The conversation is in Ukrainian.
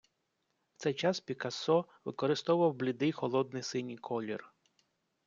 В цей час Пікассо використовував блідий, холодний синій колір.